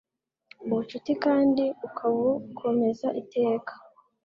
ubucuti kandi ukabukomeza iteka